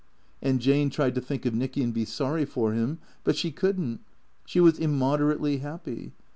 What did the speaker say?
And Jane tried to think of Nicky and be sorry for him. But she could n't. She was immoderately happy.